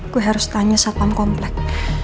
gue harus tanya satpam komplek